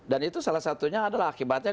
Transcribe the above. dan itu salah satunya adalah akibatnya